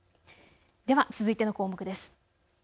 では続いての項目です。